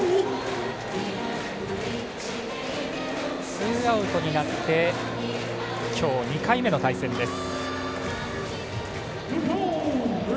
ツーアウトになって今日２回目の対戦です。